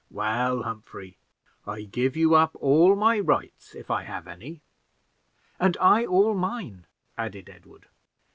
"Well, Humphrey, I give you up all my rights, if I have any," "And I, all mine," added Edward.